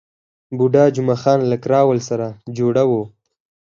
بوډا جمعه خان له کراول سره جوړه وه.